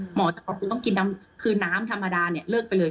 หมอจะบอกว่าต้องกินน้ำคือน้ำธรรมดาเลิกไปเลย